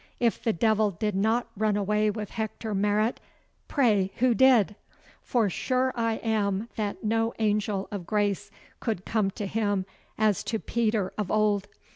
If the Devil did not run away with Hector Marot, pray who did? for sure I am that no angel of grace could come to him as to Peter of old.